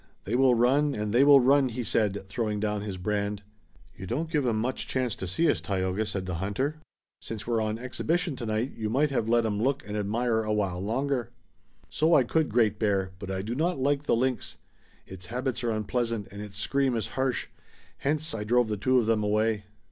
"They will run and they will run," he said, throwing down his brand. "You don't give 'em much chance to see us, Tayoga," said the hunter. "Since we're on exhibition tonight you might have let 'em look and admire a while longer." "So I could, Great Bear, but I do not like the lynx. Its habits are unpleasant, and its scream is harsh. Hence, I drove the two of them away."